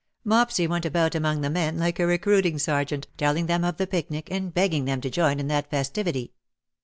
Mopsy went about among the men like a recruiting sergeant, telling them of the picnic, and begging them to join in that festivity.